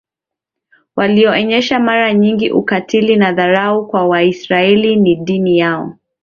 walionyesha mara nyingi ukatili na dharau kwa Waisraeli na dini yao